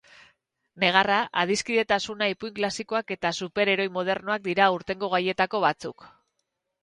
Negarra, adiskidetasuna, ipuin klasikoak eta superheroi modernoak dira aurtengo gaietako batzuk.